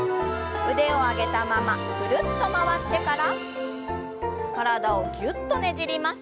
腕を上げたままぐるっと回ってから体をぎゅっとねじります。